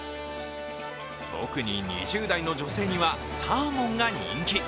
特に２０代の女性にはサーモンが人気。